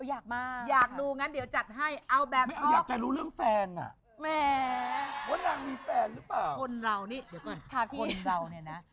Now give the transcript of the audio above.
เห็นน้องก็มีแฟนมาหลายที่จะแต่งงาน